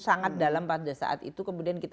sangat dalam pada saat itu kemudian kita